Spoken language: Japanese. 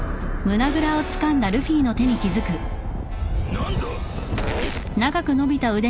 何だ！？